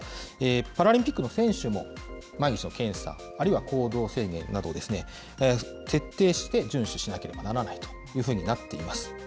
パラリンピックの選手も毎日の検査、あるいは行動制限など、徹底して順守しなければならないというふうになっています。